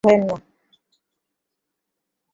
ব্যর্থ হয়ো না।